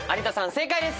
正解です。